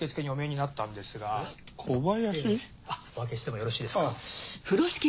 お開けしてもよろしいですか？